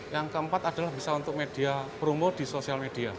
yang keempat adalah bisa untuk media promo di sosial media